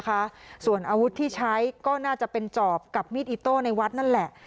ส่วนอาวุธที่ใช้ก็น่าจะเป็นจอบกับมีดอิโต้ในวัดนั่นแหละ